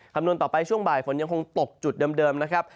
คำนวณต่อไปช่วงบ่ายฝนยังคงตกจุดเดิมนะครับ